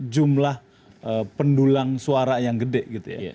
jumlah pendulang suara yang gede gitu ya